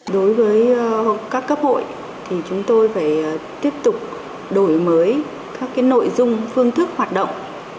đối với các cấp hội thì chúng tôi phải tiếp tục đổi mới các nội dung phương thức hoạt động